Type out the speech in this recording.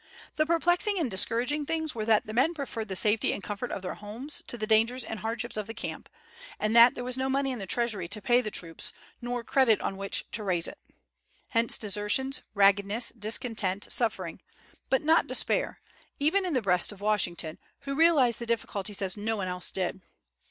The perplexing and discouraging things were that the men preferred the safety and comfort of their homes to the dangers and hardships of the camp, and that there was no money in the treasury to pay the troops, nor credit on which to raise it. Hence desertions, raggedness, discontent, suffering; but not despair, even in the breast of Washington, who realized the difficulties as none else did.